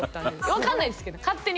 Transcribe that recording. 分かんないですけど勝手に思って。